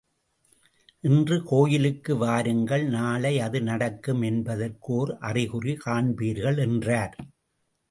இன்று கோயிலுக்கு வாருங்கள் நாளை அது நடக்கும் என்பதற்கு ஓர் அறிகுறி காண்பீர்கள் என்றார்.